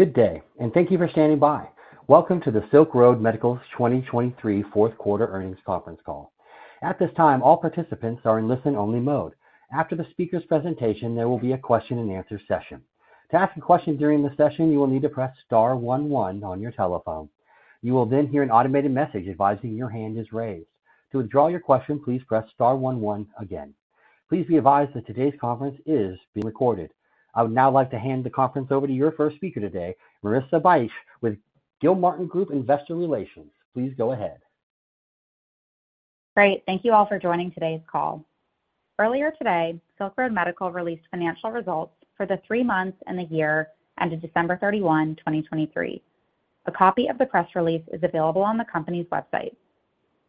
Good day, and thank you for standing by. Welcome to the Silk Road Medical's 2023 Q4 earnings conference call. At this time, all participants are in listen-only mode. After the speaker's presentation, there will be a question-and-answer session. To ask a question during the session, you will need to press star one one on your telephone. You will then hear an automated message advising your hand is raised. To withdraw your question, please press star one one again. Please be advised that today's conference is being recorded. I would now like to hand the conference over to your first speaker today, Marissa Bych, with Gilmartin Group Investor Relations. Please go ahead. Great. Thank you all for joining today's call. Earlier today, Silk Road Medical released financial results for the three months and the year ended December 31, 2023. A copy of the press release is available on the company's website.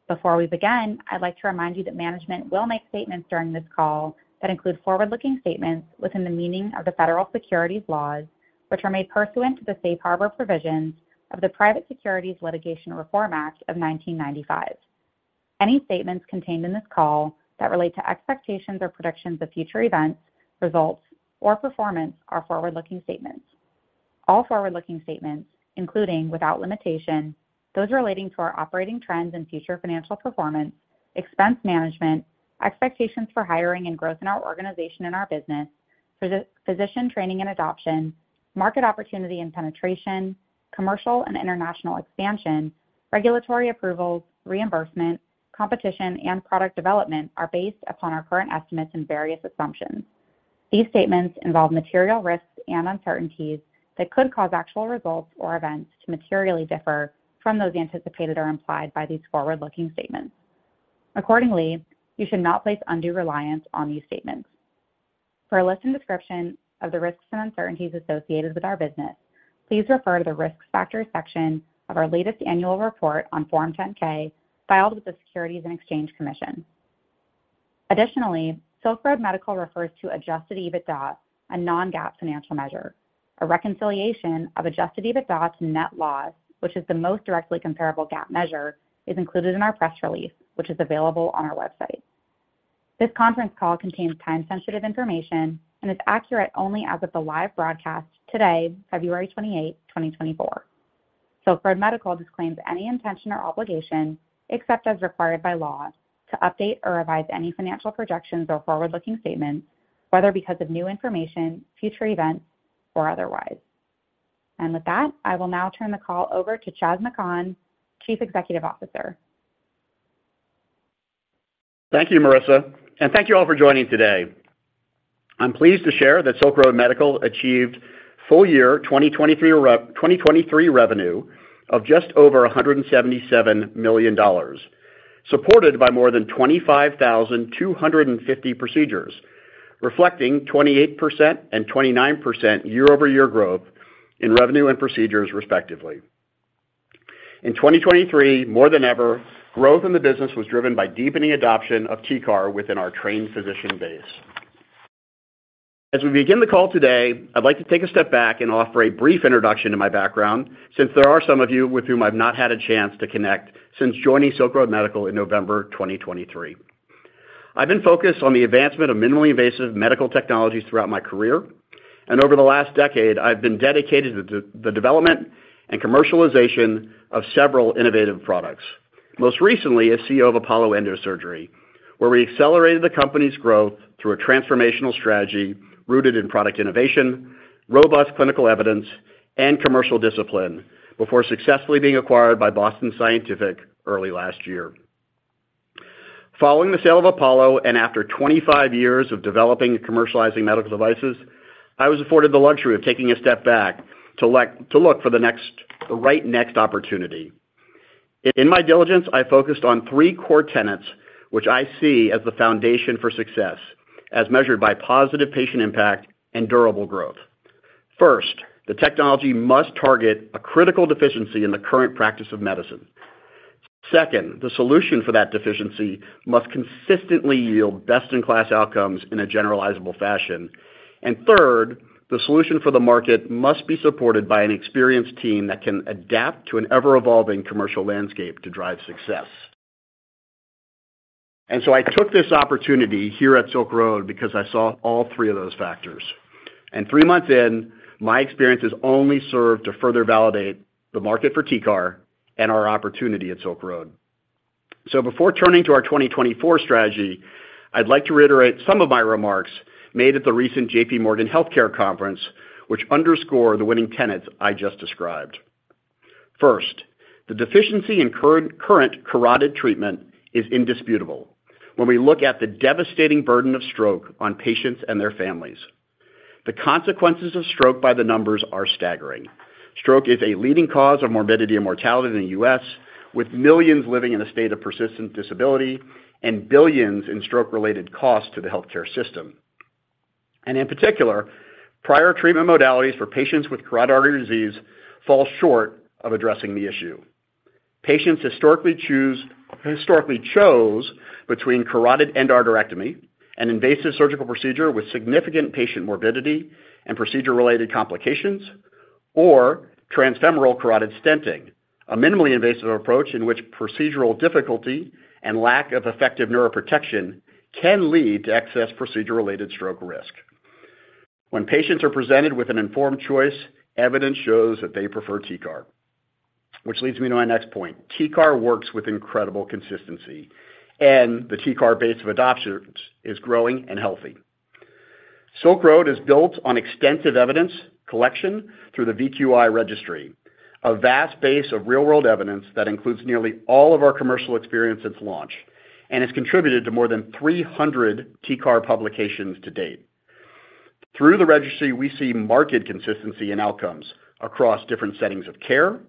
Before we begin, I'd like to remind you that management will make statements during this call that include forward-looking statements within the meaning of the federal securities laws, which are made pursuant to the Safe Harbor provisions of the Private Securities Litigation Reform Act of 1995. Any statements contained in this call that relate to expectations or predictions of future events, results, or performance are forward-looking statements. All forward-looking statements, including without limitation, those relating to our operating trends and future financial performance, expense management, expectations for hiring and growth in our organization and our business, physician training and adoption, market opportunity and penetration, commercial and international expansion, regulatory approvals, reimbursement, competition, and product development are based upon our current estimates and various assumptions. These statements involve material risks and uncertainties that could cause actual results or events to materially differ from those anticipated or implied by these forward-looking statements. Accordingly, you should not place undue reliance on these statements. For a list and description of the risks and uncertainties associated with our business, please refer to the Risk Factors section of our latest annual report on Form 10-K filed with the Securities and Exchange Commission. Additionally, Silk Road Medical refers to Adjusted EBITDA, a non-GAAP financial measure. A reconciliation of Adjusted EBITDA to net loss, which is the most directly comparable GAAP measure, is included in our press release, which is available on our website. This conference call contains time-sensitive information and is accurate only as of the live broadcast today, February 28, 2024. Silk Road Medical disclaims any intention or obligation, except as required by law, to update or revise any financial projections or forward-looking statements, whether because of new information, future events, or otherwise. With that, I will now turn the call over to Chas McKhann, Chief Executive Officer. Thank you, Marissa. Thank you all for joining today. I'm pleased to share that Silk Road Medical achieved full-year 2023 revenue of just over $177 million, supported by more than 25,250 procedures, reflecting 28% and 29% year-over-year growth in revenue and procedures, respectively. In 2023, more than ever, growth in the business was driven by deepening adoption of TCAR within our trained physician base. As we begin the call today, I'd like to take a step back and offer a brief introduction to my background since there are some of you with whom I've not had a chance to connect since joining Silk Road Medical in November 2023. I've been focused on the advancement of minimally invasive medical technologies throughout my career, and over the last decade, I've been dedicated to the development and commercialization of several innovative products. Most recently, as CEO of Apollo Endosurgery, where we accelerated the company's growth through a transformational strategy rooted in product innovation, robust clinical evidence, and commercial discipline before successfully being acquired by Boston Scientific early last year. Following the sale of Apollo and after 25 years of developing and commercializing medical devices, I was afforded the luxury of taking a step back to look for the right next opportunity. In my diligence, I focused on three core tenets, which I see as the foundation for success as measured by positive patient impact and durable growth. First, the technology must target a critical deficiency in the current practice of medicine. Second, the solution for that deficiency must consistently yield best-in-class outcomes in a generalizable fashion. And third, the solution for the market must be supported by an experienced team that can adapt to an ever-evolving commercial landscape to drive success. And so I took this opportunity here at Silk Road because I saw all three of those factors. And three months in, my experiences only served to further validate the market for TCAR and our opportunity at Silk Road. So before turning to our 2024 strategy, I'd like to reiterate some of my remarks made at the recent JPMorgan Healthcare conference, which underscore the winning tenets I just described. First, the deficiency in current carotid treatment is indisputable when we look at the devastating burden of stroke on patients and their families. The consequences of stroke by the numbers are staggering. Stroke is a leading cause of morbidity and mortality in the U.S., with millions living in a state of persistent disability and billions in stroke-related costs to the healthcare system. And in particular, prior treatment modalities for patients with carotid artery disease fall short of addressing the issue. Patients historically chose between carotid endarterectomy, an invasive surgical procedure with significant patient morbidity and procedure-related complications, or transfemoral carotid stenting, a minimally invasive approach in which procedural difficulty and lack of effective neuroprotection can lead to excess procedure-related stroke risk. When patients are presented with an informed choice, evidence shows that they prefer TCAR, which leads me to my next point. TCAR works with incredible consistency, and the TCAR base of adoption is growing and healthy. Silk Road is built on extensive evidence collection through the VQI registry, a vast base of real-world evidence that includes nearly all of our commercial experience since launch and has contributed to more than 300 TCAR publications to date. Through the registry, we see market consistency in outcomes across different settings of care,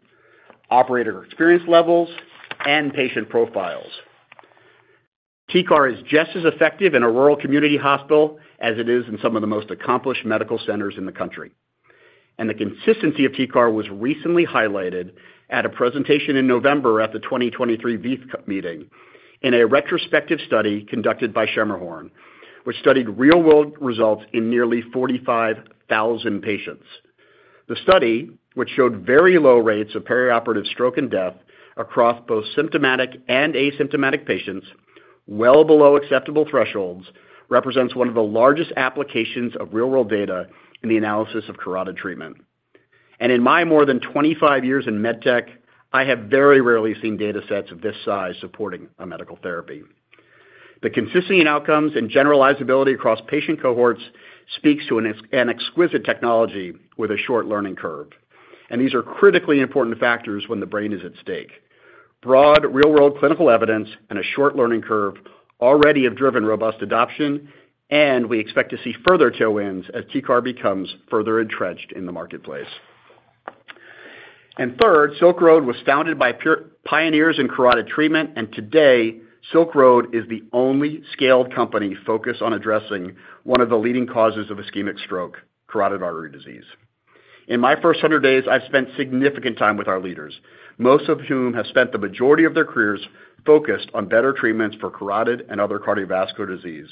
operator experience levels, and patient profiles. TCAR is just as effective in a rural community hospital as it is in some of the most accomplished medical centers in the country. The consistency of TCAR was recently highlighted at a presentation in November at the 2023 VEITH meeting in a retrospective study conducted by Schermerhorn, which studied real-world results in nearly 45,000 patients. The study, which showed very low rates of perioperative stroke and death across both symptomatic and asymptomatic patients, well below acceptable thresholds, represents one of the largest applications of real-world data in the analysis of carotid treatment. In my more than 25 years in med tech, I have very rarely seen data sets of this size supporting a medical therapy. The consistency in outcomes and generalizability across patient cohorts speaks to an exquisite technology with a short learning curve. These are critically important factors when the brain is at stake. Broad real-world clinical evidence and a short learning curve already have driven robust adoption, and we expect to see further tailwinds as TCAR becomes further entrenched in the marketplace. And third, Silk Road was founded by pioneers in carotid treatment, and today, Silk Road is the only scaled company focused on addressing one of the leading causes of ischemic stroke, carotid artery disease. In my first 100 days, I've spent significant time with our leaders, most of whom have spent the majority of their careers focused on better treatments for carotid and other cardiovascular disease.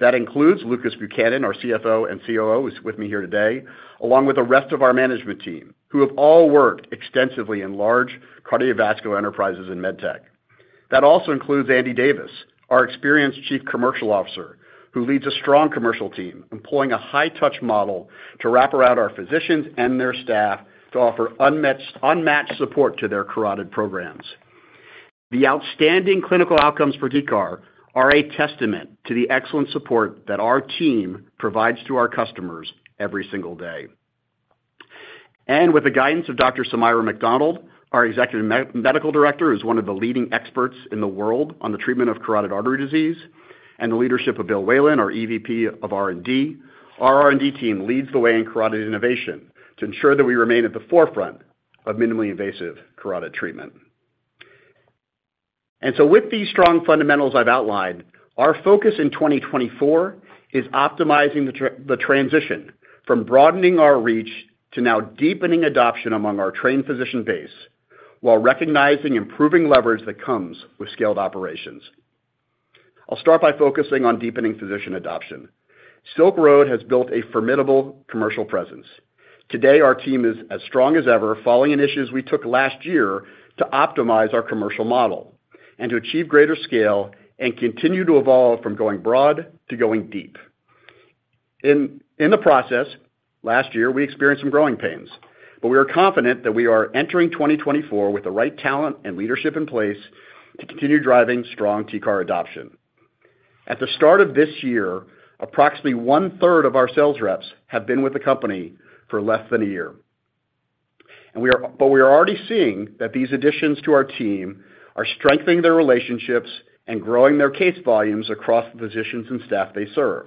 That includes Lucas Buchanan, our CFO and COO, who's with me here today, along with the rest of our management team, who have all worked extensively in large cardiovascular enterprises in med tech. That also includes Andy Davis, our experienced Chief Commercial Officer, who leads a strong commercial team, employing a high-touch model to wrap around our physicians and their staff to offer unmatched support to their carotid programs. The outstanding clinical outcomes for TCAR are a testament to the excellent support that our team provides to our customers every single day. And with the guidance of Dr. Sumaira Macdonald, our Executive Medical Director, who is one of the leading experts in the world on the treatment of carotid artery disease, and the leadership of Bill Whalen, our EVP of R&D, our R&D team leads the way in carotid innovation to ensure that we remain at the forefront of minimally invasive carotid treatment. With these strong fundamentals I've outlined, our focus in 2024 is optimizing the transition from broadening our reach to now deepening adoption among our trained physician base while recognizing improving leverage that comes with scaled operations. I'll start by focusing on deepening physician adoption. Silk Road has built a formidable commercial presence. Today, our team is as strong as ever, following initiatives we took last year to optimize our commercial model and to achieve greater scale and continue to evolve from going broad to going deep. In the process, last year, we experienced some growing pains, but we are confident that we are entering 2024 with the right talent and leadership in place to continue driving strong TCAR adoption. At the start of this year, approximately one-third of our sales reps have been with the company for less than a year. We are already seeing that these additions to our team are strengthening their relationships and growing their case volumes across the physicians and staff they serve.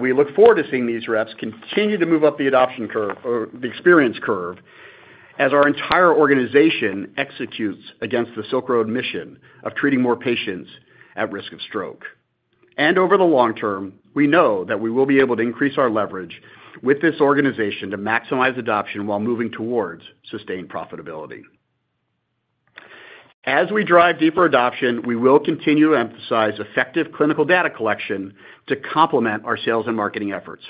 We look forward to seeing these reps continue to move up the adoption curve or the experience curve as our entire organization executes against the Silk Road mission of treating more patients at risk of stroke. Over the long term, we know that we will be able to increase our leverage with this organization to maximize adoption while moving towards sustained profitability. As we drive deeper adoption, we will continue to emphasize effective clinical data collection to complement our sales and marketing efforts.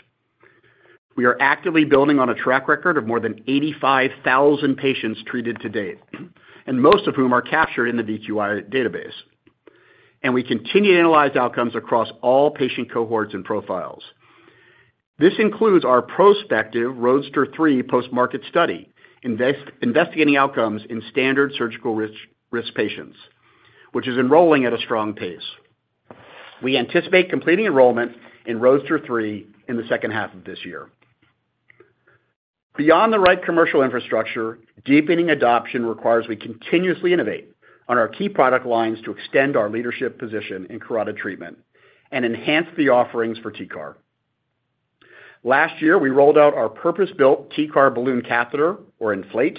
We are actively building on a track record of more than 85,000 patients treated to date, and most of whom are captured in the VQI database. We continue to analyze outcomes across all patient cohorts and profiles. This includes our prospective ROADSTER 3 post-market study investigating outcomes in standard surgical risk patients, which is enrolling at a strong pace. We anticipate completing enrollment in Roadster 3 in the second half of this year. Beyond the right commercial infrastructure, deepening adoption requires we continuously innovate on our key product lines to extend our leadership position in carotid treatment and enhance the offerings for TCAR. Last year, we rolled out our purpose-built TCAR balloon catheter, or ENFLATE,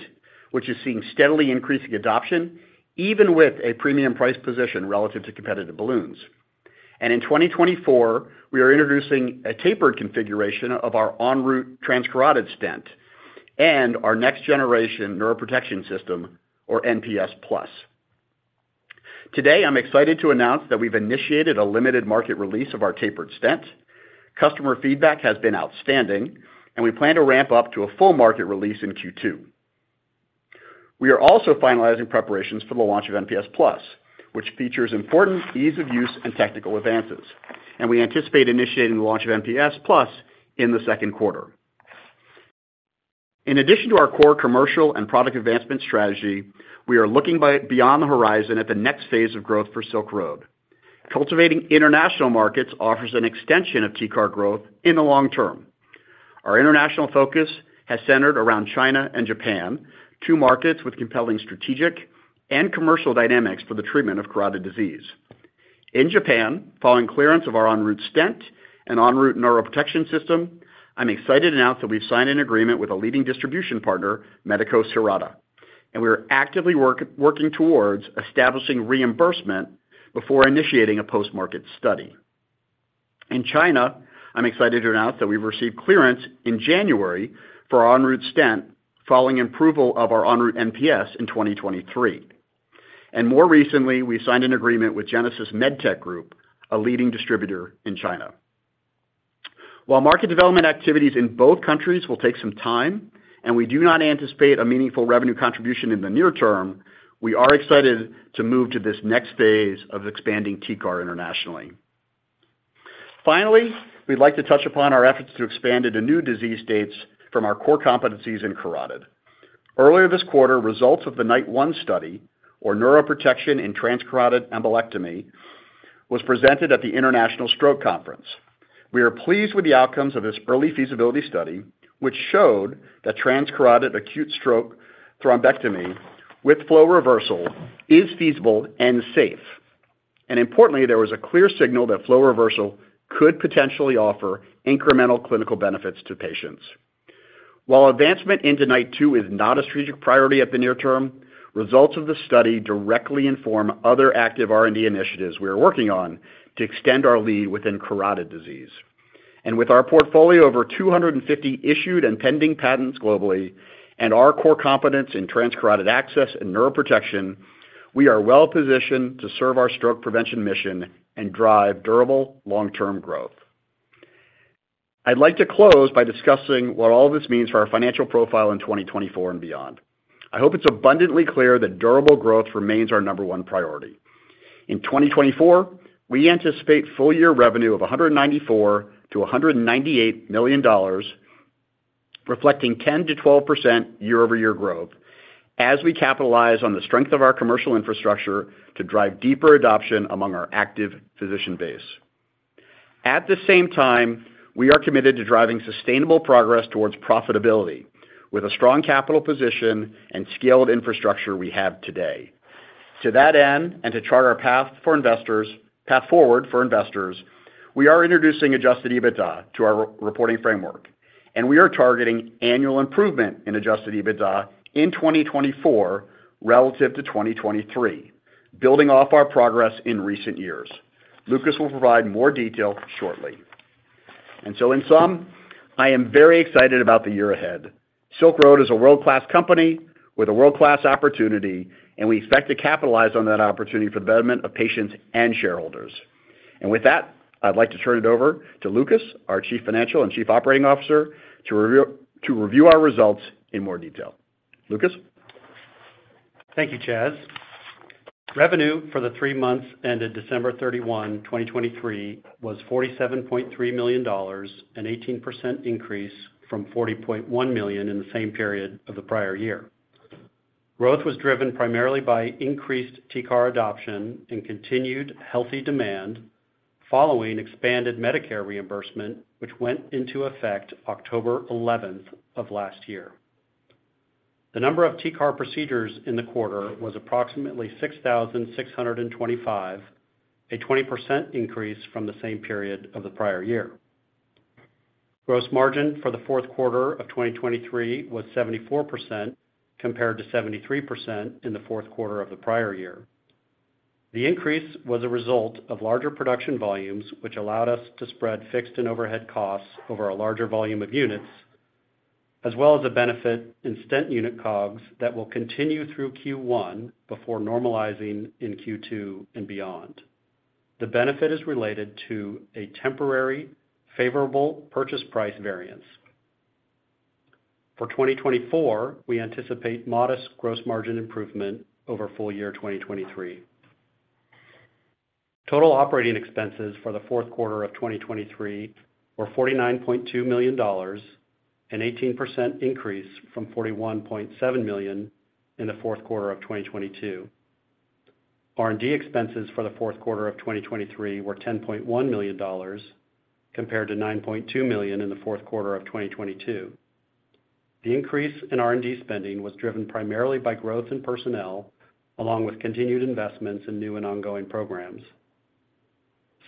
which is seeing steadily increasing adoption even with a premium price position relative to competitive balloons. In 2024, we are introducing a tapered configuration of our ENROUTE Transcarotid Stent and our next-generation neuroprotection system, or NPS Plus. Today, I'm excited to announce that we've initiated a limited market release of our tapered stent. Customer feedback has been outstanding, and we plan to ramp up to a full market release in Q2. We are also finalizing preparations for the launch of NPS Plus, which features important ease of use and technical advances. We anticipate initiating the launch of NPS Plus in the Q2. In addition to our core commercial and product advancement strategy, we are looking beyond the horizon at the next phase of growth for Silk Road. Cultivating international markets offers an extension of TCAR growth in the long term. Our international focus has centered around China and Japan, two markets with compelling strategic and commercial dynamics for the treatment of carotid disease. In Japan, following clearance of our ENROUTE stent and ENROUTE neuroprotection system, I'm excited to announce that we've signed an agreement with a leading distribution partner, Medicos Hirata, and we are actively working towards establishing reimbursement before initiating a post-market study. In China, I'm excited to announce that we've received clearance in January for our ENROUTE stent following approval of our ENROUTE NPS in 2023. More recently, we signed an agreement with Genesis MedTech Group, a leading distributor in China. While market development activities in both countries will take some time and we do not anticipate a meaningful revenue contribution in the near term, we are excited to move to this next phase of expanding TCAR internationally. Finally, we'd like to touch upon our efforts to expand into new disease states from our core competencies in carotid. Earlier this quarter, results of the NIGHT-1 Study, or Neuroprotection in Transcarotid Embolectomy, were presented at the International Stroke Conference. We are pleased with the outcomes of this early feasibility study, which showed that transcarotid acute stroke thrombectomy with flow reversal is feasible and safe. And importantly, there was a clear signal that flow reversal could potentially offer incremental clinical benefits to patients. While advancement into NIGHT-2 is not a strategic priority at the near term, results of the study directly inform other active R&D initiatives we are working on to extend our lead within carotid disease. And with our portfolio of over 250 issued and pending patents globally and our core competence in transcarotid access and neuroprotection, we are well positioned to serve our stroke prevention mission and drive durable, long-term growth. I'd like to close by discussing what all of this means for our financial profile in 2024 and beyond. I hope it's abundantly clear that durable growth remains our number one priority. In 2024, we anticipate full-year revenue of $194million-$198 million, reflecting 10%-12% year-over-year growth as we capitalize on the strength of our commercial infrastructure to drive deeper adoption among our active physician base. At the same time, we are committed to driving sustainable progress towards profitability with a strong capital position and scaled infrastructure we have today. To that end and to chart our path forward for investors, we are introducing Adjusted EBITDA to our reporting framework. And we are targeting annual improvement in Adjusted EBITDA in 2024 relative to 2023, building off our progress in recent years. Lucas will provide more detail shortly. And so in sum, I am very excited about the year ahead. Silk Road is a world-class company with a world-class opportunity, and we expect to capitalize on that opportunity for the betterment of patients and shareholders. And with that, I'd like to turn it over to Lucas, our Chief Financial and Chief Operating Officer, to review our results in more detail. Lucas? Thank you, Chas. Revenue for the three months ended December 31, 2023, was $47.3 million, an 18% increase from $40.1 million in the same period of the prior year. Growth was driven primarily by increased TCAR adoption and continued healthy demand following expanded Medicare reimbursement, which went into effect October 11th of last year. The number of TCAR procedures in the quarter was approximately 6,625, a 20% increase from the same period of the prior year. Gross margin for the Q4 of 2023 was 74% compared to 73% in the Q4 of the prior year. The increase was a result of larger production volumes, which allowed us to spread fixed and overhead costs over a larger volume of units, as well as a benefit in stent unit COGS that will continue through Q1 before normalizing in Q2 and beyond. The benefit is related to a temporary favorable purchase price variance. For 2024, we anticipate modest gross margin improvement over full-year 2023. Total operating expenses for the Q4 of 2023 were $49.2 million, an 18% increase from $41.7 million in the Q4 of 2022. R&D expenses for the Q4 of 2023 were $10.1 million compared to $9.2 million in the Q4of 2022. The increase in R&D spending was driven primarily by growth in personnel along with continued investments in new and ongoing programs.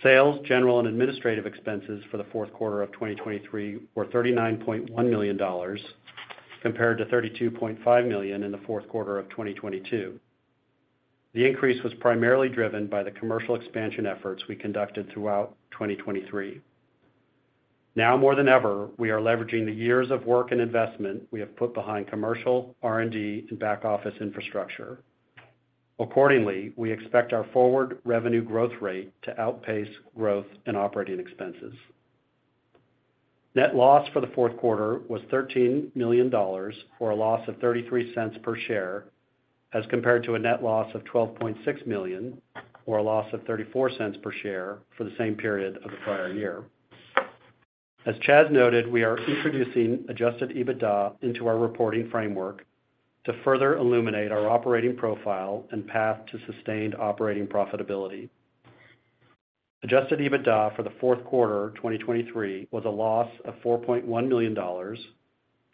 Sales, general, and administrative expenses for the Q4 of 2023 were $39.1 million compared to $32.5 million in the Q4 of 2022. The increase was primarily driven by the commercial expansion efforts we conducted throughout 2023. Now more than ever, we are leveraging the years of work and investment we have put behind commercial, R&D, and back-office infrastructure. Accordingly, we expect our forward revenue growth rate to outpace growth and operating expenses. Net loss for the Q4 was $13 million for a loss of $0.33 per share as compared to a net loss of $12.6 million or a loss of $0.34 per share for the same period of the prior year. As Chas noted, we are introducing Adjusted EBITDA into our reporting framework to further illuminate our operating profile and path to sustained operating profitability. Adjusted EBITDA for the Q4 2023 was a loss of $4.1 million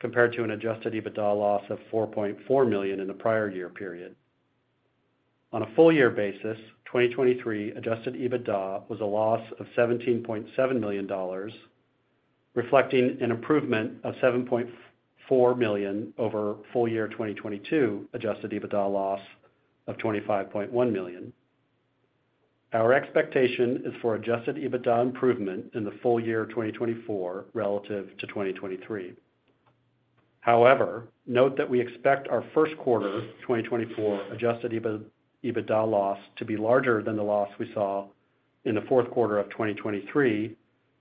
compared to an Adjusted EBITDA loss of $4.4 million in the prior year period. On a full-year basis, 2023 Adjusted EBITDA was a loss of $17.7 million, reflecting an improvement of $7.4 million over full-year 2022 Adjusted EBITDA loss of $25.1 million. Our expectation is for Adjusted EBITDA improvement in the full-year 2024 relative to 2023. However, note that we expect our Q1 2024 Adjusted EBITDA loss to be larger than the loss we saw in the Q4 of 2023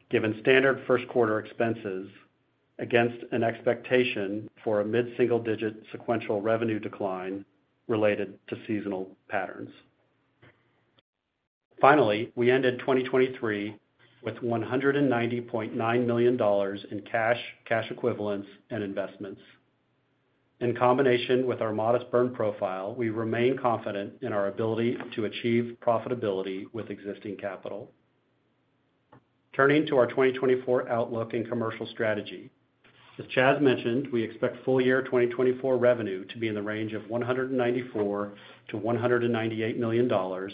given standard Q1 expenses against an expectation for a mid-single-digit sequential revenue decline related to seasonal patterns. Finally, we ended 2023 with $190.9 million in cash, cash equivalents, and investments. In combination with our modest burn profile, we remain confident in our ability to achieve profitability with existing capital. Turning to our 2024 outlook and commercial strategy. As Chas mentioned, we expect full-year 2024 revenue to be in the range of $194million-$198 million,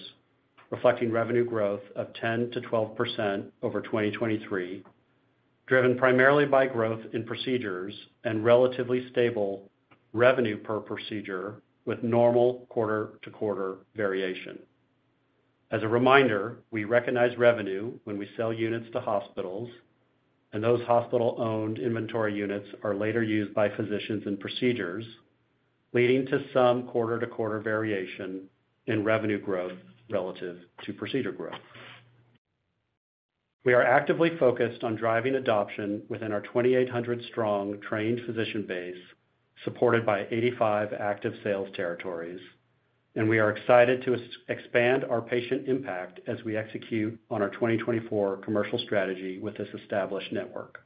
reflecting revenue growth of 10%-12% over 2023, driven primarily by growth in procedures and relatively stable revenue per procedure with normal quarter-to-quarter variation. As a reminder, we recognize revenue when we sell units to hospitals, and those hospital-owned inventory units are later used by physicians in procedures, leading to some quarter-to-quarter variation in revenue growth relative to procedure growth. We are actively focused on driving adoption within our 2,800-strong trained physician base supported by 85 active sales territories, and we are excited to expand our patient impact as we execute on our 2024 commercial strategy with this established network.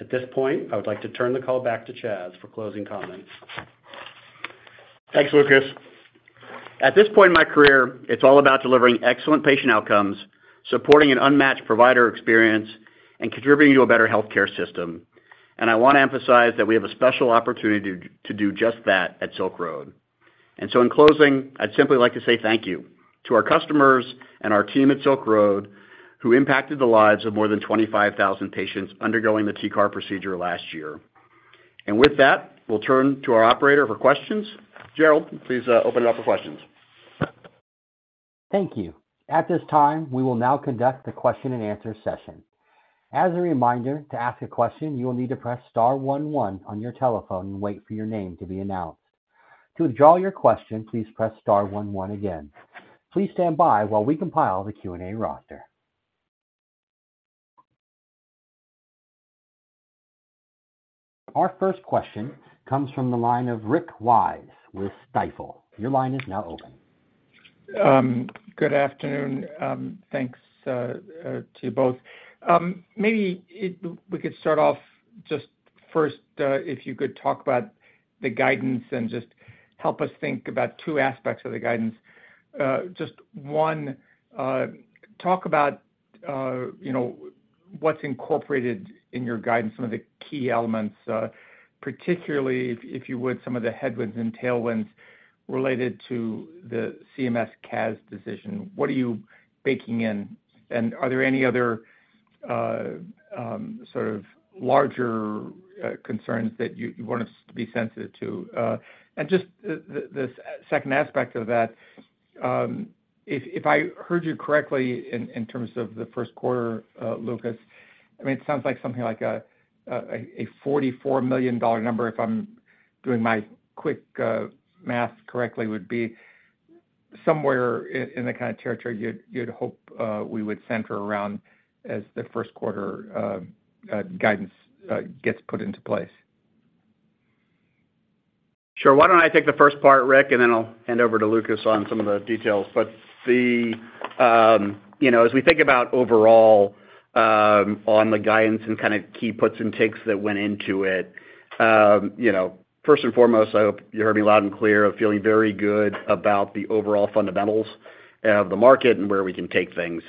At this point, I would like to turn the call back to Chas for closing comments. Thanks, Lucas. At this point in my career, it's all about delivering excellent patient outcomes, supporting an unmatched provider experience, and contributing to a better healthcare system. And I want to emphasize that we have a special opportunity to do just that at Silk Road. And so in closing, I'd simply like to say thank you to our customers and our team at Silk Road who impacted the lives of more than 25,000 patients undergoing the TCAR procedure last year. And with that, we'll turn to our operator for questions. Gerald, please open it up for questions. Thank you. At this time, we will now conduct the question-and-answer session. As a reminder, to ask a question, you will need to press star one one on your telephone and wait for your name to be announced. To withdraw your question, please press star one one again. Please stand by while we compile the Q&A roster. Our first question comes from the line of Rick Wise with Stifel. Your line is now open. Good afternoon. Thanks to you both. Maybe we could start off just first if you could talk about the guidance and just help us think about two aspects of the guidance. Just one, talk about what's incorporated in your guidance, some of the key elements, particularly, if you would, some of the headwinds and tailwinds related to the CMS-CAS decision. What are you baking in? And are there any other sort of larger concerns that you want us to be sensitive to? And just the second aspect of that, if I heard you correctly in terms of the Q1, Lucas, I mean, it sounds like something like a $44 million number, if I'm doing my quick math correctly, would be somewhere in the kind of territory you'd hope we would center around as the Q1 guidance gets put into place. Sure. Why don't I take the first part, Rick, and then I'll hand over to Lucas on some of the details. But as we think about overall on the guidance and kind of key puts and takes that went into it, first and foremost, I hope you heard me loud and clear of feeling very good about the overall fundamentals of the market and where we can take things.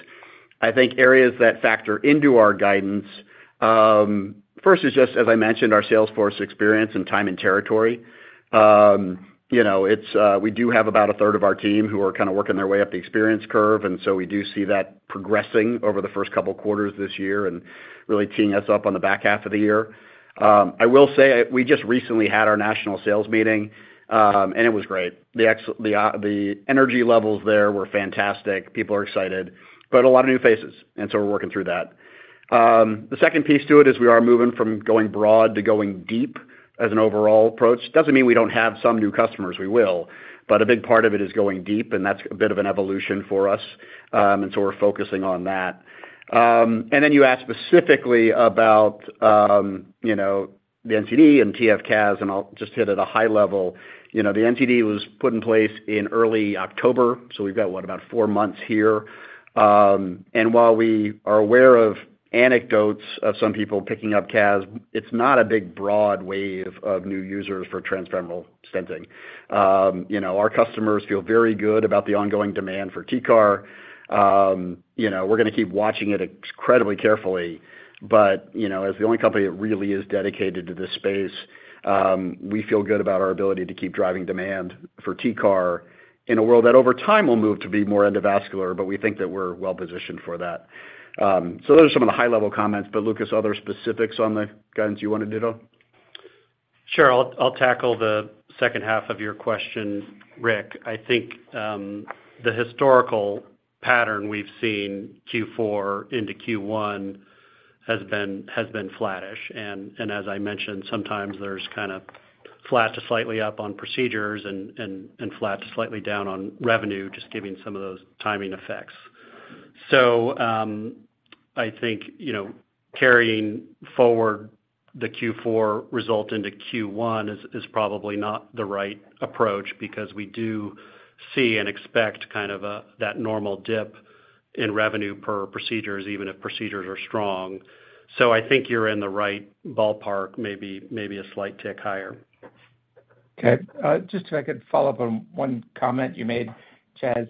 I think areas that factor into our guidance, first is just, as I mentioned, our sales force experience and time and territory. We do have about a third of our team who are kind of working their way up the experience curve, and so we do see that progressing over the first couple of quarters this year and really teeing us up on the back half of the year. I will say we just recently had our national sales meeting, and it was great. The energy levels there were fantastic. People are excited, but a lot of new faces, and so we're working through that. The second piece to it is we are moving from going broad to going deep as an overall approach. It doesn't mean we don't have some new customers. We will. But a big part of it is going deep, and that's a bit of an evolution for us, and so we're focusing on that. And then you asked specifically about the NCD and TF-CAS, and I'll just hit at a high level. The NCD was put in place in early October, so we've got, what, about four months here. And while we are aware of anecdotes of some people picking up CAS, it's not a big broad wave of new users for transfemoral stenting. Our customers feel very good about the ongoing demand for TCAR. We're going to keep watching it incredibly carefully, but as the only company that really is dedicated to this space, we feel good about our ability to keep driving demand for TCAR in a world that, over time, will move to be more endovascular, but we think that we're well-positioned for that. So those are some of the high-level comments. But Lucas, other specifics on the guidance you wanted to know? Sure. I'll tackle the second half of your question, Rick. I think the historical pattern we've seen Q4 into Q1 has been flattish. And as I mentioned, sometimes there's kind of flat to slightly up on procedures and flat to slightly down on revenue, just giving some of those timing effects. So I think carrying forward the Q4 result into Q1 is probably not the right approach because we do see and expect kind of that normal dip in revenue per procedures, even if procedures are strong. So I think you're in the right ballpark, maybe a slight tick higher. Okay. Just if I could follow up on one comment you made, Chas.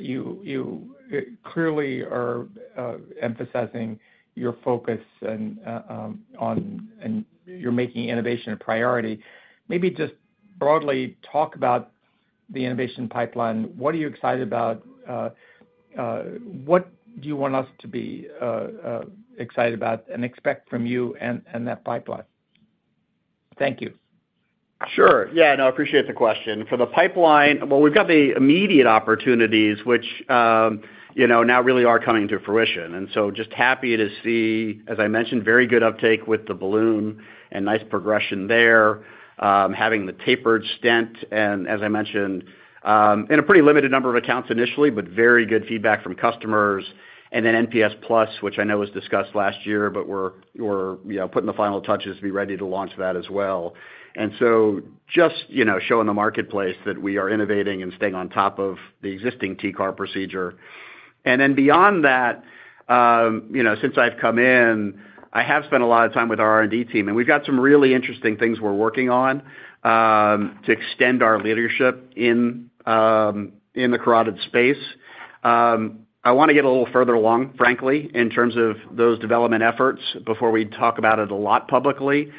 You clearly are emphasizing your focus on and you're making innovation a priority. Maybe just broadly, talk about the innovation pipeline. What are you excited about? What do you want us to be excited about and expect from you and that pipeline? Thank you. Sure. Yeah. No, I appreciate the question. For the pipeline, well, we've got the immediate opportunities, which now really are coming to fruition. Just happy to see, as I mentioned, very good uptake with the balloon and nice progression there, having the tapered stent and, as I mentioned, in a pretty limited number of accounts initially, but very good feedback from customers. NPS Plus, which I know was discussed last year, but we're putting the final touches to be ready to launch that as well. Just showing the marketplace that we are innovating and staying on top of the existing TCAR procedure. Beyond that, since I've come in, I have spent a lot of time with our R&D team, and we've got some really interesting things we're working on to extend our leadership in the carotid space. I want to get a little further along, frankly, in terms of those development efforts before we talk about it a lot publicly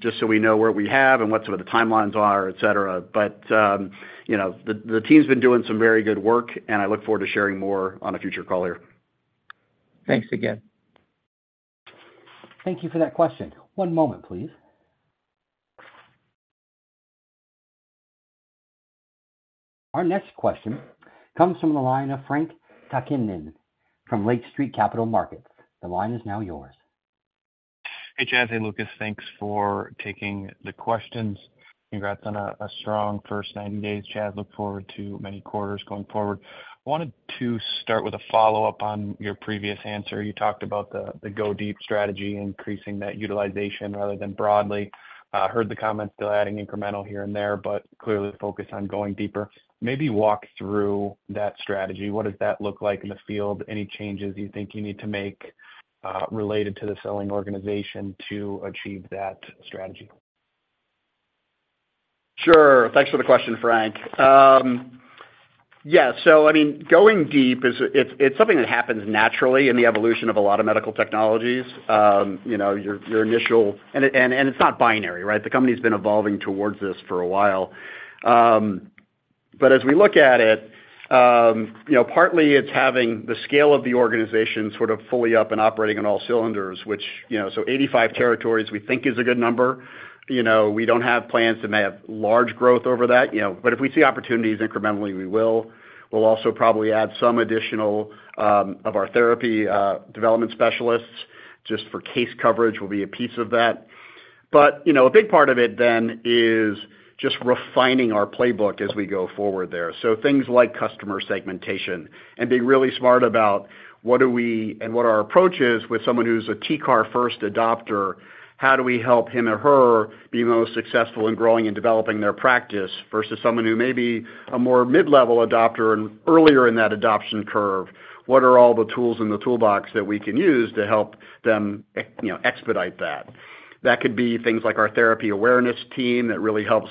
just so we know where we have and what some of the timelines are, etc. But the team's been doing some very good work, and I look forward to sharing more on a future call here. Thanks again. Thank you for that question. One moment, please. Our next question comes from the line of Frank Takkinen from Lake Street Capital Markets. The line is now yours. Hey, Chas. Hey, Lucas. Thanks for taking the questions. Congrats on a strong first 90 days, Chas. Look forward to many quarters going forward. I wanted to start with a follow-up on your previous answer. You talked about the Go Deep strategy, increasing that utilization rather than broadly. Heard the comments still adding incremental here and there, but clearly focused on going deeper. Maybe walk through that strategy. What does that look like in the field? Any changes you think you need to make related to the selling organization to achieve that strategy? Sure. Thanks for the question, Frank. Yeah. So, I mean, going deep, it's something that happens naturally in the evolution of a lot of medical technologies. Your initial and it's not binary, right? The company's been evolving towards this for a while. But as we look at it, partly, it's having the scale of the organization sort of fully up and operating on all cylinders, which so 85 territories, we think, is a good number. We don't have plans that may have large growth over that. But if we see opportunities incrementally, we will. We'll also probably add some additional of our therapy development specialists just for case coverage will be a piece of that. But a big part of it then is just refining our playbook as we go forward there. So things like customer segmentation and being really smart about what are we and what are our approaches with someone who's a TCAR-first adopter, how do we help him or her be most successful in growing and developing their practice versus someone who may be a more mid-level adopter and earlier in that adoption curve, what are all the tools in the toolbox that we can use to help them expedite that. That could be things like our therapy awareness team that really helps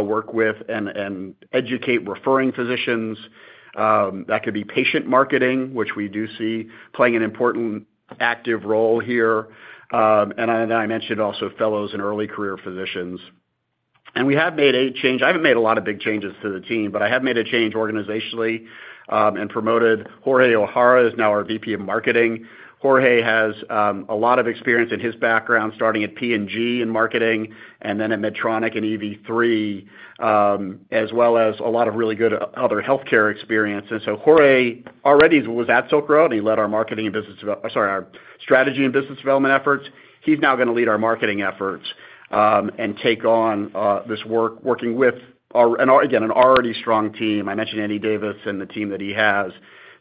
work with and educate referring physicians. That could be patient marketing, which we do see playing an important active role here. Then I mentioned also fellows and early career physicians. We have made a change. I haven't made a lot of big changes to the team, but I have made a change organizationally and promoted. Jorge O'Hara is now our VP of Marketing. Jorge has a lot of experience in his background starting at P&G in marketing and then at Medtronic and EV3, as well as a lot of really good other healthcare experience. And so Jorge already was at Silk Road, and he led our marketing and business sorry, our strategy and business development efforts. He's now going to lead our marketing efforts and take on this work working with, again, an already strong team. I mentioned Andy Davis and the team that he has.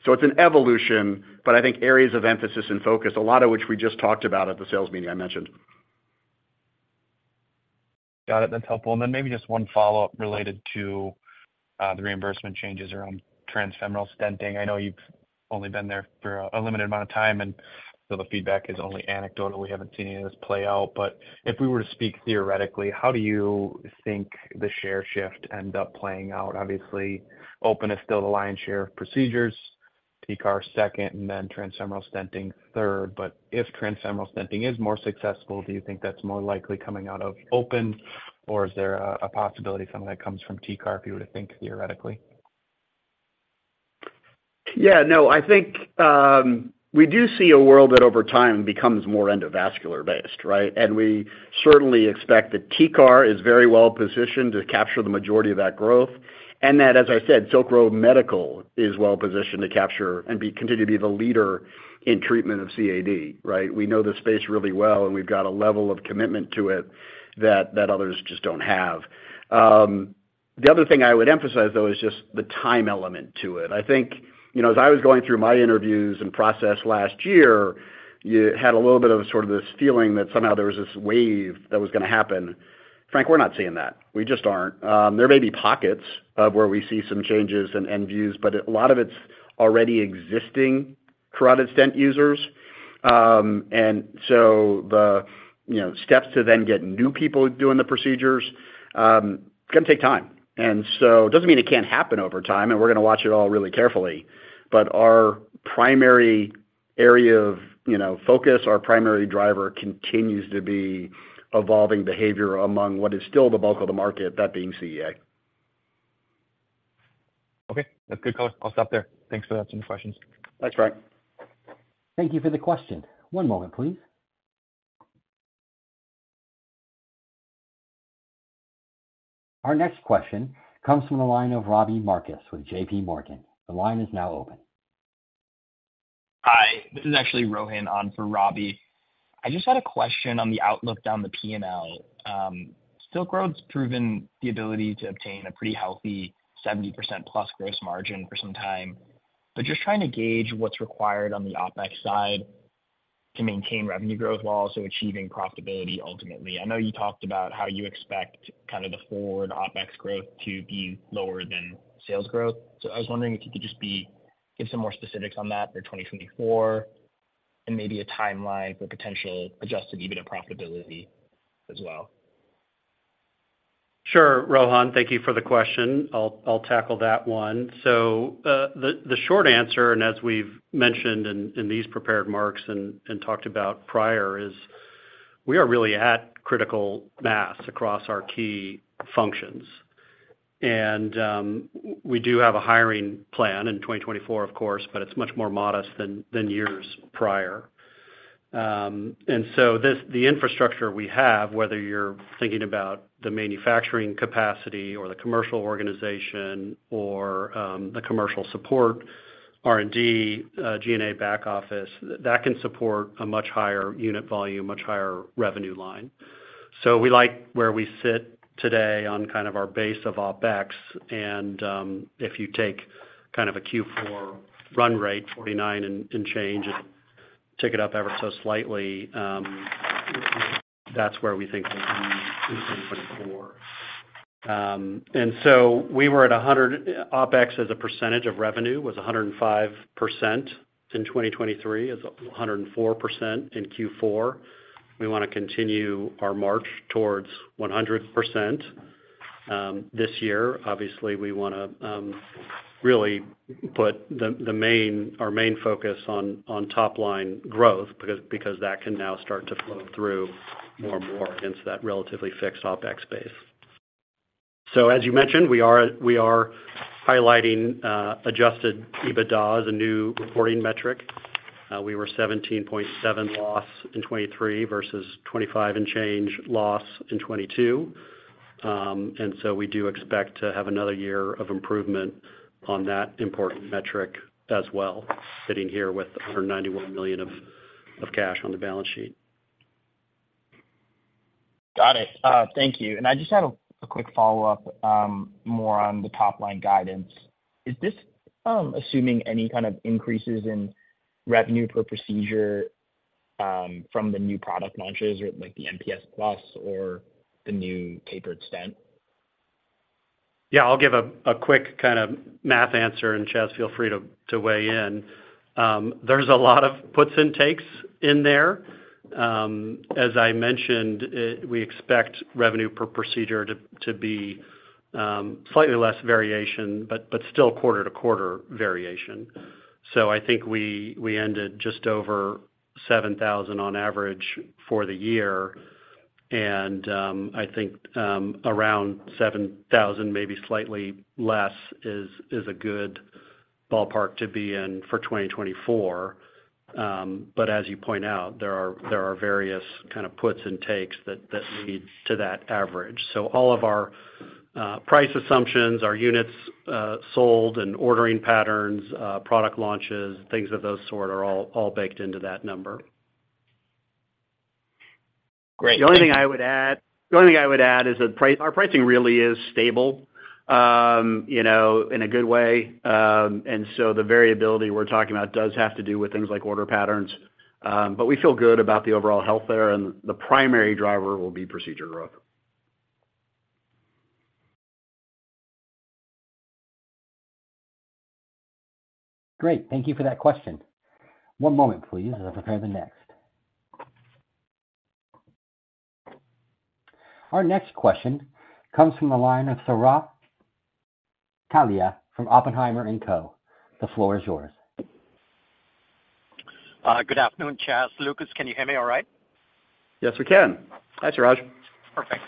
So it's an evolution, but I think areas of emphasis and focus, a lot of which we just talked about at the sales meeting I mentioned. Got it. That's helpful. And then maybe just one follow-up related to the reimbursement changes around transfemoral stenting. I know you've only been there for a limited amount of time, and so the feedback is only anecdotal. We haven't seen any of this play out. But if we were to speak theoretically, how do you think the share shift ends up playing out? Obviously, open is still the lion's share of procedures, TCAR second, and then transfemoral stenting third. But if transfemoral stenting is more successful, do you think that's more likely coming out of open, or is there a possibility something that comes from TCAR if you were to think theoretically? Yeah. No, I think we do see a world that, over time, becomes more endovascular-based, right? And we certainly expect that TCAR is very well-positioned to capture the majority of that growth and that, as I said, Silk Road Medical is well-positioned to capture and continue to be the leader in treatment of CAD, right? We know the space really well, and we've got a level of commitment to it that others just don't have. The other thing I would emphasize, though, is just the time element to it. I think as I was going through my interviews and process last year, you had a little bit of sort of this feeling that somehow there was this wave that was going to happen. Frank, we're not seeing that. We just aren't. There may be pockets of where we see some changes and views, but a lot of it's already existing carotid stent users. And so the steps to then get new people doing the procedures is going to take time. And so it doesn't mean it can't happen over time, and we're going to watch it all really carefully. But our primary area of focus, our primary driver, continues to be evolving behavior among what is still the bulk of the market, that being CEA. Okay. That's good, Colin. I'll stop there. Thanks for answering the questions. Thanks, Frank. Thank you for the question. One moment, please. Our next question comes from the line of Robbie Marcus with JP Morgan. The line is now open. Hi. This is actually Rohin on for Robbie. I just had a question on the outlook down the PML. Silk Road's proven the ability to obtain a pretty healthy 70%+ gross margin for some time, but just trying to gauge what's required on the OpEx side to maintain revenue growth while also achieving profitability ultimately. I know you talked about how you expect kind of the forward OpEx growth to be lower than sales growth. So I was wondering if you could just give some more specifics on that for 2024 and maybe a timeline for potential Adjusted EBITDA profitability as well. Sure, Rohan. Thank you for the question. I'll tackle that one. So the short answer, and as we've mentioned in these prepared remarks and talked about prior, is we are really at critical mass across our key functions. And we do have a hiring plan in 2024, of course, but it's much more modest than years prior. And so the infrastructure we have, whether you're thinking about the manufacturing capacity or the commercial organization or the commercial support, R&D, G&A back office, that can support a much higher unit volume, much higher revenue line. So we like where we sit today on kind of our base of OpEx. And if you take kind of a Q4 run rate, $49 and change, and tick it up ever so slightly, that's where we think we'll be in 2024. And so we were at 100% OpEx as a percentage of revenue, 105% in 2023, 104% in Q4. We want to continue our march towards 100% this year. Obviously, we want to really put our main focus on top-line growth because that can now start to flow through more and more against that relatively fixed OpEx base. So as you mentioned, we are highlighting Adjusted EBITDA, a new reporting metric. We were a $17.7 million loss in 2023 versus a $25-and-change million loss in 2022. And so we do expect to have another year of improvement on that important metric as well, sitting here with $191 million of cash on the balance sheet. Got it. Thank you. I just had a quick follow-up more on the top-line guidance. Is this assuming any kind of increases in revenue per procedure from the new product launches or the NPS Plus or the new tapered stent? Yeah. I'll give a quick kind of math answer, and Chas, feel free to weigh in. There's a lot of puts and takes in there. As I mentioned, we expect revenue per procedure to be slightly less variation, but still quarter-to-quarter variation. So I think we ended just over $7,000 on average for the year. And I think around $7,000, maybe slightly less, is a good ballpark to be in for 2024. But as you point out, there are various kind of puts and takes that lead to that average. So all of our price assumptions, our units sold and ordering patterns, product launches, things of those sort are all baked into that number. Great. Thank you. The only thing I would add is that our pricing really is stable in a good way. So the variability we're talking about does have to do with things like order patterns. But we feel good about the overall health there, and the primary driver will be procedure growth. Great. Thank you for that question. One moment, please, as I prepare the next. Our next question comes from the line of Suraj Kalia from Oppenheimer & Co. The floor is yours. Good afternoon, Chas. Lucas, can you hear me all right? Yes, we can. Hi, Suraj. Perfect.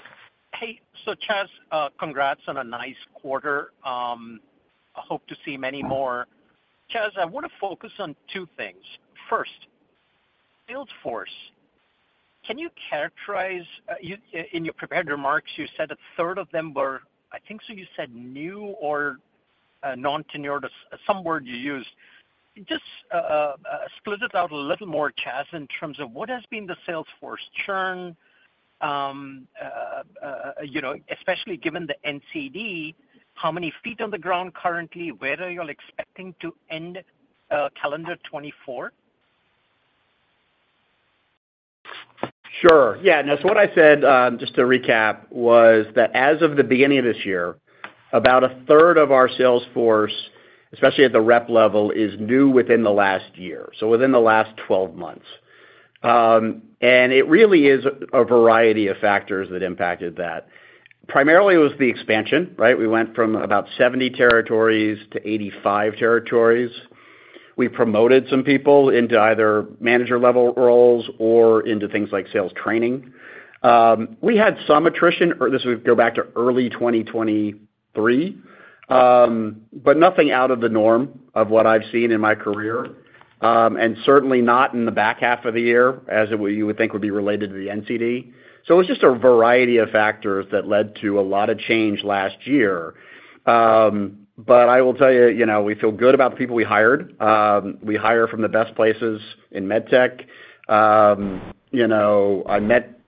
Hey, so Chas, congrats on a nice quarter. I hope to see many more. Chas, I want to focus on two things. First, sales force, can you characterize? In your prepared remarks, you said a third of them were, I think, so you said new or non-tenured. Some word you used. Just split it out a little more, Chas, in terms of what has been the sales force churn, especially given the NCD, how many feet on the ground currently, where are you all expecting to end calendar 2024? Sure. Yeah. No, so what I said, just to recap, was that as of the beginning of this year, about a third of our sales force, especially at the rep level, is new within the last year, so within the last 12 months. It really is a variety of factors that impacted that. Primarily, it was the expansion, right? We went from about 70 territories to 85 territories. We promoted some people into either manager-level roles or into things like sales training. We had some attrition. This would go back to early 2023, but nothing out of the norm of what I've seen in my career and certainly not in the back half of the year as you would think would be related to the NCD. So it was just a variety of factors that led to a lot of change last year. But I will tell you, we feel good about the people we hired. We hire from the best places in medtech. I met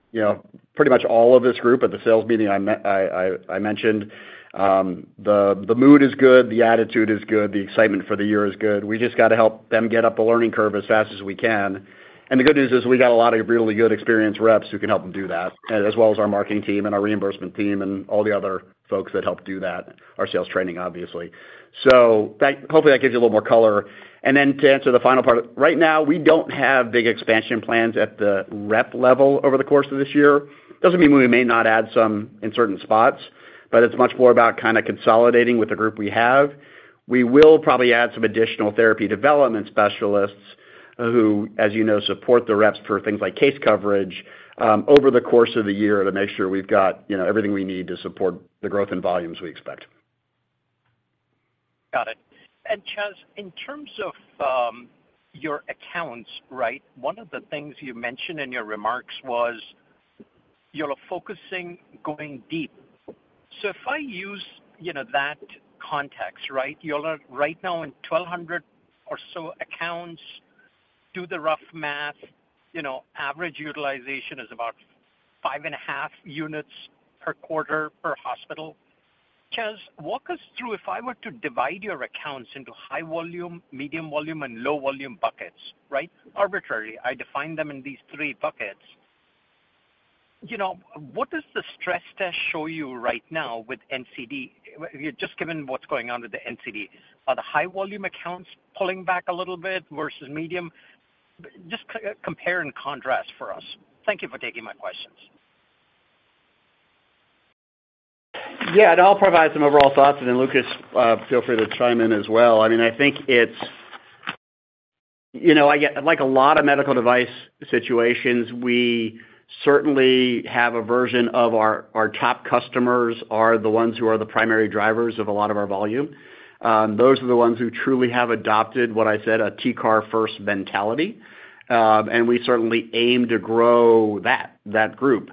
pretty much all of this group at the sales meeting I mentioned. The mood is good. The attitude is good. The excitement for the year is good. We just got to help them get up the learning curve as fast as we can. And the good news is we got a lot of really good experienced reps who can help them do that, as well as our marketing team and our reimbursement team and all the other folks that help do that, our sales training, obviously. So hopefully, that gives you a little more color. And then to answer the final part, right now, we don't have big expansion plans at the rep level over the course of this year. It doesn't mean we may not add some in certain spots, but it's much more about kind of consolidating with the group we have. We will probably add some additional therapy development specialists who, as you know, support the reps for things like case coverage over the course of the year to make sure we've got everything we need to support the growth and volumes we expect. Got it. And Chas, in terms of your accounts, right, one of the things you mentioned in your remarks was you're focusing going deep. So if I use that context, right, right now, in 1,200 or so accounts, do the rough math, average utilization is about 5.5 units per quarter per hospital. Chas, walk us through if I were to divide your accounts into high volume, medium volume, and low volume buckets, right, arbitrarily, I define them in these three buckets, what does the stress test show you right now with NCD? Just given what's going on with the NCD, are the high volume accounts pulling back a little bit versus medium? Just compare and contrast for us. Thank you for taking my questions. Yeah. And I'll provide some overall thoughts, and then Lucas, feel free to chime in as well. I mean, I think it's like a lot of medical device situations, we certainly have a version of our top customers are the ones who are the primary drivers of a lot of our volume. Those are the ones who truly have adopted what I said, a TCAR-first mentality. And we certainly aim to grow that group.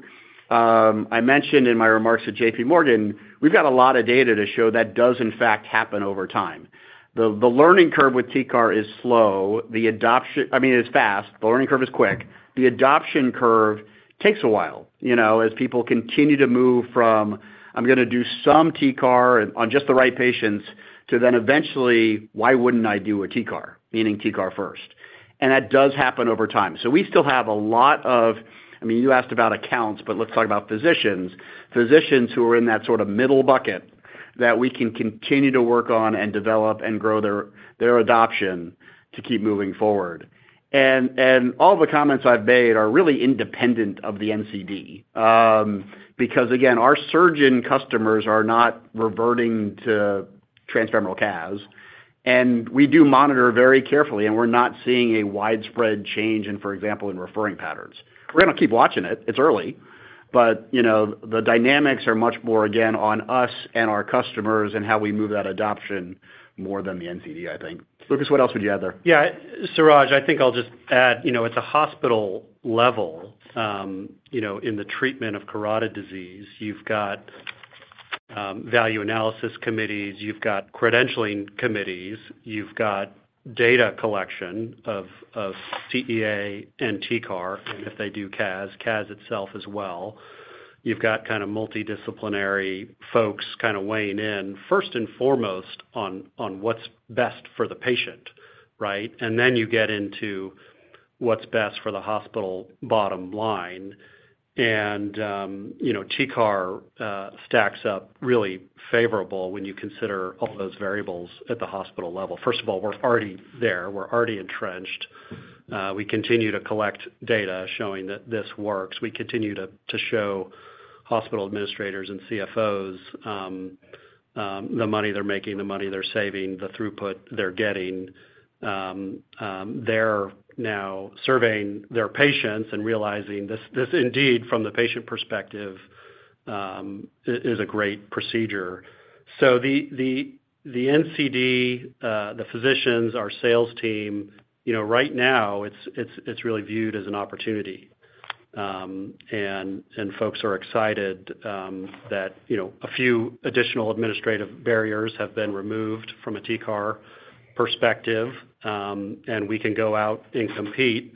I mentioned in my remarks to JP Morgan, we've got a lot of data to show that does, in fact, happen over time. The learning curve with TCAR is slow. I mean, it's fast. The learning curve is quick. The adoption curve takes a while as people continue to move from, "I'm going to do some TCAR on just the right patients," to then eventually, "Why wouldn't I do a TCAR?" meaning TCAR first. That does happen over time. We still have a lot of. I mean, you asked about accounts, but let's talk about physicians, physicians who are in that sort of middle bucket that we can continue to work on and develop and grow their adoption to keep moving forward. All of the comments I've made are really independent of the NCD because, again, our surgeon customers are not reverting to transfemoral CAS. We do monitor very carefully, and we're not seeing a widespread change in, for example, in referring patterns. We're going to keep watching it. It's early. The dynamics are much more, again, on us and our customers and how we move that adoption more than the NCD, I think. Lucas, what else would you add there? Yeah. Suraj, I think I'll just add, at the hospital level, in the treatment of carotid disease, you've got value analysis committees. You've got credentialing committees. You've got data collection of CEA and TCAR, and if they do CAS, CAS itself as well. You've got kind of multidisciplinary folks kind of weighing in, first and foremost, on what's best for the patient, right? And then you get into what's best for the hospital bottom line. And TCAR stacks up really favorable when you consider all those variables at the hospital level. First of all, we're already there. We're already entrenched. We continue to collect data showing that this works. We continue to show hospital administrators and CFOs the money they're making, the money they're saving, the throughput they're getting. They're now surveying their patients and realizing this, indeed, from the patient perspective, is a great procedure. So the NCD, the physicians, our sales team, right now, it's really viewed as an opportunity. And folks are excited that a few additional administrative barriers have been removed from a TCAR perspective, and we can go out and compete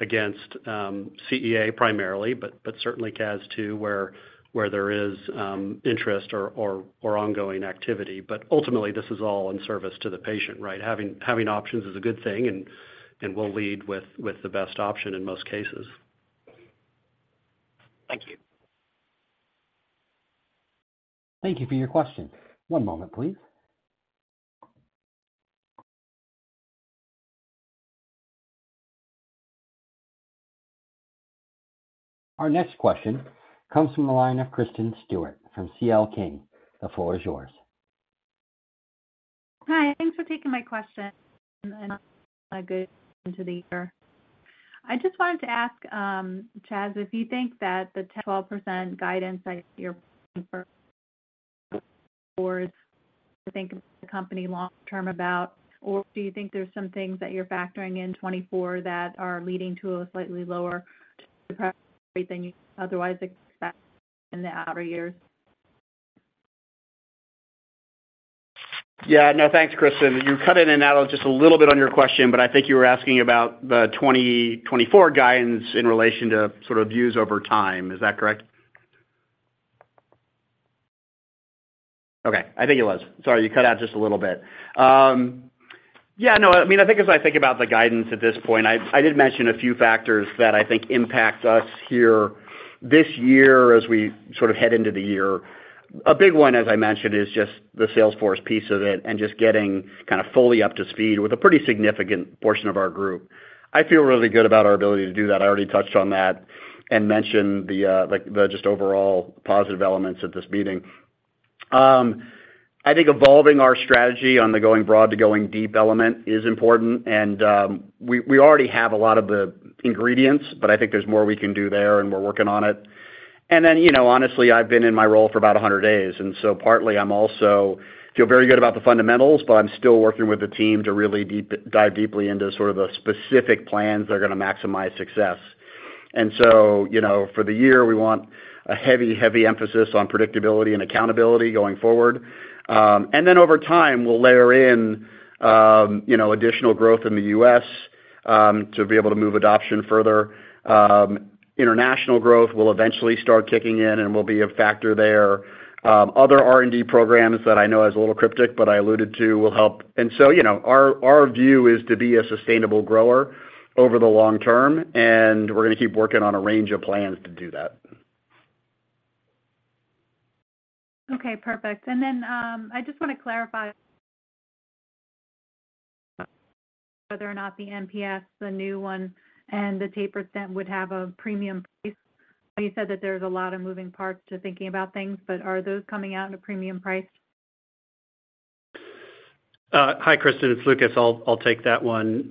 against CEA primarily, but certainly CAS too, where there is interest or ongoing activity. But ultimately, this is all in service to the patient, right? Having options is a good thing, and we'll lead with the best option in most cases. Thank you. Thank you for your question. One moment, please. Our next question comes from the line of Kristen Stewart from CL King. The floor is yours. Hi. Thanks for taking my question and good into the year. I just wanted to ask, Chas, if you think that the 10%-12% guidance that you're referring for is something the company long-term about, or do you think there's some things that you're factoring in 2024 that are leading to a slightly lower rate than you otherwise expect in the outer years? Yeah. No, thanks, Kristen. You cut in and out just a little bit on your question, but I think you were asking about the 2024 guidance in relation to sort of views over time. Is that correct? Okay. I think it was. Sorry. You cut out just a little bit. Yeah. No. I mean, I think as I think about the guidance at this point, I did mention a few factors that I think impact us here this year as we sort of head into the year. A big one, as I mentioned, is just the sales force piece of it and just getting kind of fully up to speed with a pretty significant portion of our group. I feel really good about our ability to do that. I already touched on that and mentioned the just overall positive elements at this meeting. I think evolving our strategy on the going broad, the going deep element is important. And we already have a lot of the ingredients, but I think there's more we can do there, and we're working on it. And then honestly, I've been in my role for about 100 days. And so partly, I also feel very good about the fundamentals, but I'm still working with the team to really dive deeply into sort of the specific plans that are going to maximize success. And so for the year, we want a heavy, heavy emphasis on predictability and accountability going forward. And then over time, we'll layer in additional growth in the U.S. to be able to move adoption further. International growth will eventually start kicking in, and we'll be a factor there. Other R&D programs that I know as a little cryptic, but I alluded to, will help. Our view is to be a sustainable grower over the long term, and we're going to keep working on a range of plans to do that. Okay. Perfect. And then I just want to clarify whether or not the NPS, the new one, and the tapered stent would have a premium price. You said that there's a lot of moving parts to thinking about things, but are those coming out at a premium price? Hi, Kristen. It's Lucas. I'll take that one.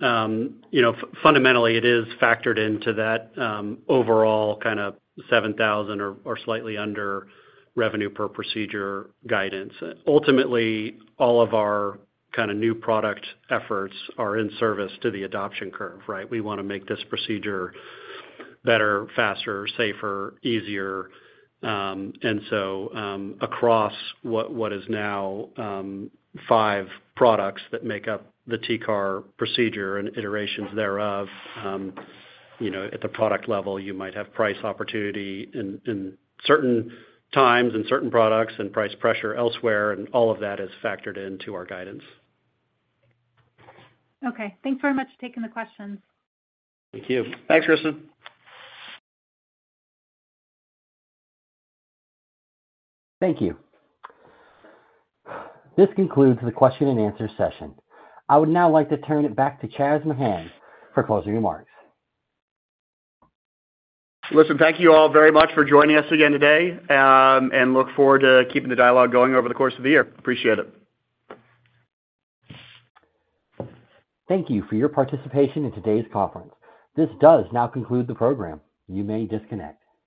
Fundamentally, it is factored into that overall kind of $7,000 or slightly under revenue per procedure guidance. Ultimately, all of our kind of new product efforts are in service to the adoption curve, right? We want to make this procedure better, faster, safer, easier. And so across what is now five products that make up the TCAR procedure and iterations thereof, at the product level, you might have price opportunity in certain times and certain products and price pressure elsewhere, and all of that is factored into our guidance. Okay. Thanks very much for taking the questions. Thank you. Thanks, Kristen. Thank you. This concludes the question-and-answer session. I would now like to turn it back to Chas McKhann for closing remarks. Listen, thank you all very much for joining us again today, and look forward to keeping the dialogue going over the course of the year. Appreciate it. Thank you for your participation in today's conference. This does now conclude the program. You may disconnect.